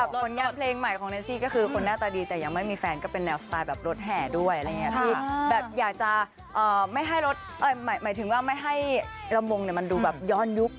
กับผลงานเพลงใหม่ของแนนซี่ก็คือคนหน้าตาดีแต่ยังไม่มีแฟนก็เป็นแนวสไตล์แบบรถแห่ด้วยที่อยากจะไม่ให้ลำวงมันดูย้อนยุค